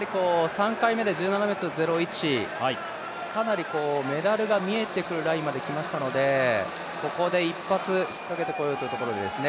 ３回目で１７ｍ０１、かなりメダルが見えてくるラインまで来ましたのでここで一発、引っ掛けてこようというところですね。